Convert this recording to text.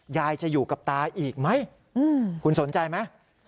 ยายจะอยู่กับตาอีกไหมคุณสนใจไหม